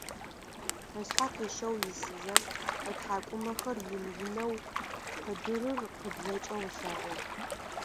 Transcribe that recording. Ышъхьэ къищэу исызэ, ытхьакӀумэхэр ины-инэу къыдырыр къыблэкӀэу ылъэгъугъ.